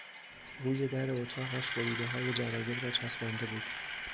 روی در اتاقش بریدههای جراید را چسبانده بود.